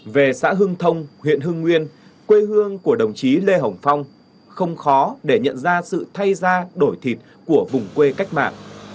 về xã hưng thông huyện hưng nguyên quê hương của đồng chí lê hồng phong không khó để nhận ra sự thay ra đổi thịt của vùng quê cách mạng